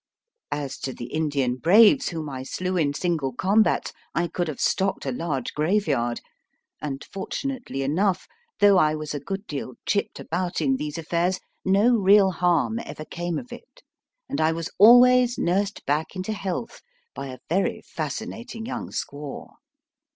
As to the Indian braves whom I slew in single combats, I could have stocked a large graveyard, and, fortunately enough, though I was a good deal chipped about in these affairs, no real harm ever came of it, and I was always nursed back into health by a very fasci nating young squaw.